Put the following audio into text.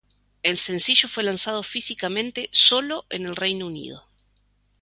El sencillo fue lanzado físicamente sólo en el Reino Unido.